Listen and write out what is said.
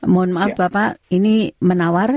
mohon maaf bapak ini menawar